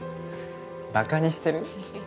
バカにしてる？